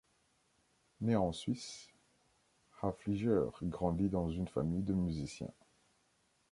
Né en Suisse, Haefliger grandi dans une famille de musiciens.